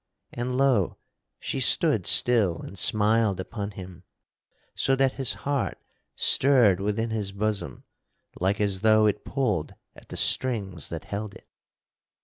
And, lo! she stood still and smiled upon him so that his heart stirred within his bosom like as though it pulled at the strings that held it.